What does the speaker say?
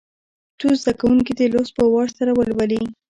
څو زده کوونکي دي لوست په وار سره ولولي.